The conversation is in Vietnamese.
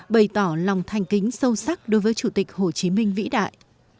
bày tỏ lòng thanh kính sâu sắc đối với chủ tịch hồ chí minh vĩ đại